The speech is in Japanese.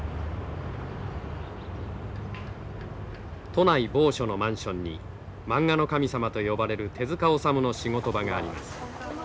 都内某所のマンションにマンガの神様と呼ばれる手塚治虫の仕事場があります。